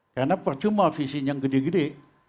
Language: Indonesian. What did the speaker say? karena percuma visinya yang gede gede